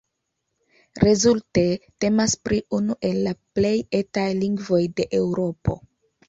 Rezulte temas pri unu el la plej "etaj" lingvoj de Eŭropo.